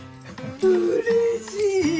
うれしい！